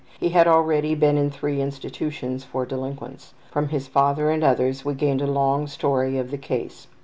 He had already been in three institutions for delinquents. From his father and others we gained a long story of the case.